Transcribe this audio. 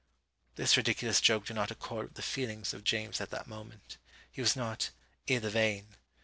This ridiculous joke did not accord with the feelings of James at that moment; he was not "i' the vein."